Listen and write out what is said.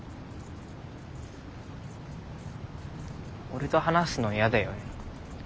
俺と話すの嫌だよね。